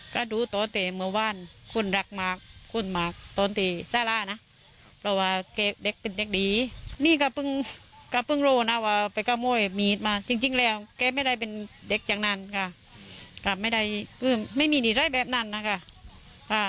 ก็ไม่มีนิสัยแบบนั้นค่ะ